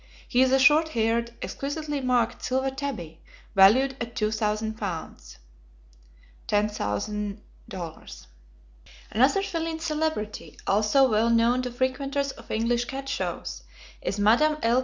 He is a short haired, exquisitely marked silver tabby valued at two thousand pounds ($10,000). Another feline celebrity also well known to frequenters of English cat shows, is Madame L.